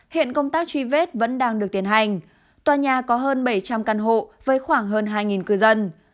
hiện công tác truy vết vẫn đang được tiến hành tòa nhà có hơn bảy trăm linh căn hộ với khoảng hơn hai cư dân